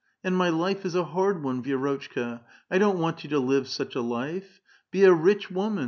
And my life is a hard one, Vi^rotchka ! I don't want you to live such a life. Be a rich woman